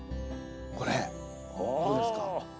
これこれですか？